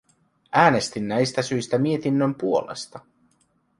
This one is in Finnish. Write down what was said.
Äänestin näistä syistä mietinnön puolesta.